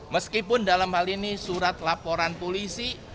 meskipun dalam hal ini surat laporan polisi